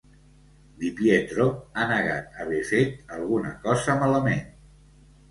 Di Pietro ha negat haver fet alguna cosa malament.